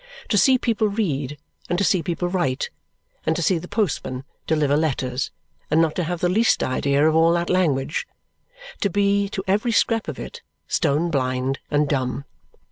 To see people read, and to see people write, and to see the postmen deliver letters, and not to have the least idea of all that language to be, to every scrap of it, stone blind and dumb!